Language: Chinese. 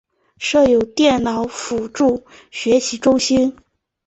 设有电脑辅助学习中心。